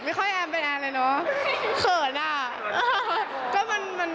ไม่ค่อยแอมเป็นแอมเลยเนอะเผินน่ะ